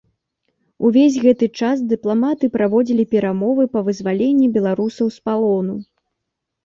Увесь гэты час дыпламаты праводзілі перамовы па вызваленні беларусаў з палону.